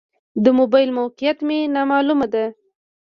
د موبایل موقعیت مې نا معلومه ده.